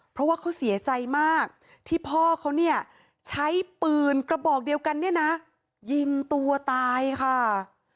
เพราะว่าเขาเสียใจมากที่พ่อเขาเนี่ยใช้ปืนกระบอกเดียวกันเนี่ยนะยิงตัวตายค่ะ